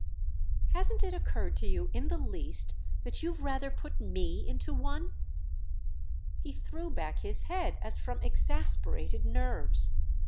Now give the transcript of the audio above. "Hasn't it occurred to you in the least that you've rather put me into one?" He threw back his head as from exasperated nerves.